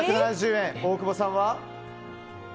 大久保さんは？